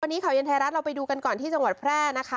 วันนี้ข่าวเย็นไทยรัฐเราไปดูกันก่อนที่จังหวัดแพร่นะคะ